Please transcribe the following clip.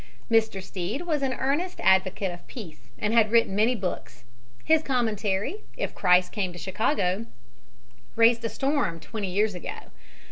Mr. Stead was an earnest advocate of peace and had written many books. His commentary "If Christ Came to Chicago" raised a storm twenty years ago.